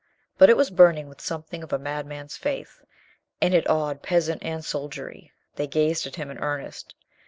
But it was burning with something of a madman's faith, and it awed peasant and soldiery. They gazed at him in earnest.